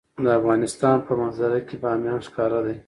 د افغانستان په منظره کې بامیان ښکاره ده.